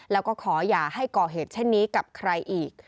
แล้วก็ขออย่าให้ก่อเหตุเช่นนี้กับใครอีก